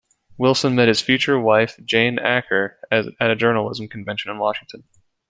Wilson met his future wife, Jane Akre, at a journalism convention in Washington.